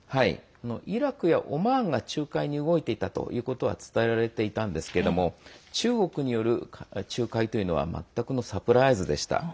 イラクやオマーンが仲介していたことは伝えられていたんですが中国による仲介というのは全くのサプライズでした。